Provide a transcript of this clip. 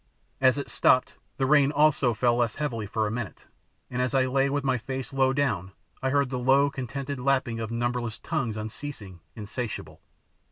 As it stopped, the rain also fell less heavily for a minute, and as I lay with my face low down I heard the low, contented lapping of numberless tongues unceasing, insatiable.